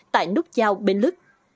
tại nút giao bến lức